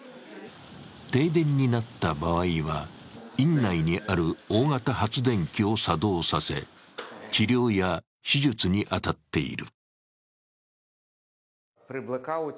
停電になった場合は、院内にある大型発電機を作動させ治療や手術に当たっている。